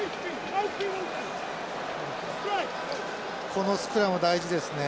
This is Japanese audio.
このスクラム大事ですね。